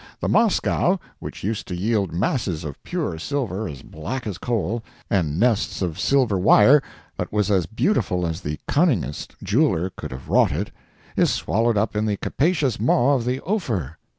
The "Moscow," which used to yield masses of pure silver as black as a coal, and nests of silver wire that was as beautiful as the cunningest jeweler could have wrought it, is swallowed up in the capacious maw of the "Ophir."